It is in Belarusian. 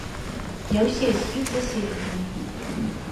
Не ўсе з іх заселеныя.